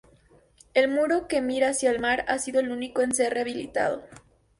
El muro que mira hacia el mar ha sido el único en ser rehabilitado.